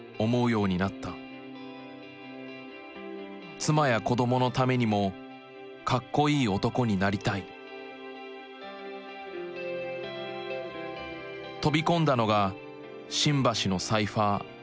妻や子供のためにもかっこいい男になりたい飛び込んだのが新橋のサイファー。